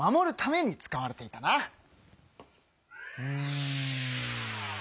うん。